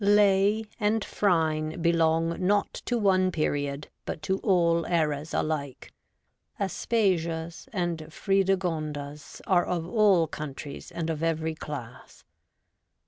Lais and Phryne belong not to one period, but to all eras alike ; Aspasias and Fredegondas are of all countries and of every class.